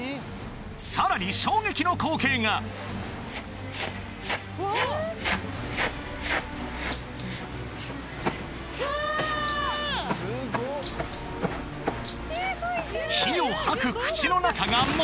さらに衝撃の光景が火を吐く